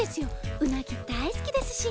うなぎ大好きですし。